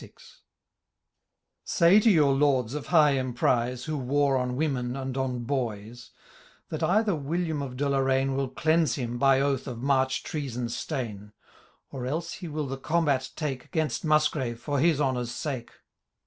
•* Say to youp Lords of high emprize,' Who war on women and on boys, That either William of Deloraine Will cleanse him, by oath, of march treason staiiu' Or else he will the combat take ^Gainst Musgrave, for his honour^ sake.